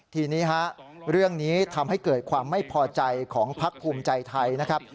ทีนี้ฮะเรื่องนี้ทำให้เกิดความไม่พอใจของพักภูมิใจไทยนะครับ